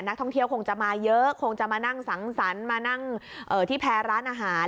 นักท่องเที่ยวคงจะมาเยอะคงจะมานั่งสังสรรค์มานั่งที่แพรร้านอาหาร